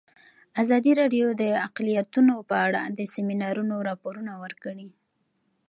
ازادي راډیو د اقلیتونه په اړه د سیمینارونو راپورونه ورکړي.